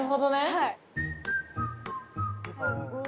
はい。